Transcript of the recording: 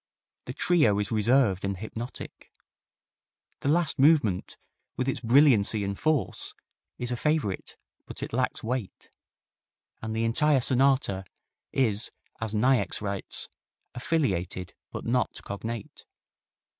The trio is reserved and hypnotic. The last movement, with its brilliancy and force, is a favorite, but it lacks weight, and the entire sonata is, as Niecks writes, "affiliated, but not cognate."